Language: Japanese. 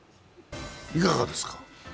いかがですか？